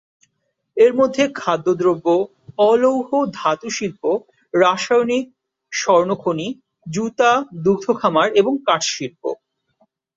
এর মধ্যে খাদ্যদ্রব্য, অ-লৌহ ধাতু শিল্প, রাসায়নিক, স্বর্ণ খনি, জুতা, দুগ্ধ খামার এবং কাঠ শিল্প।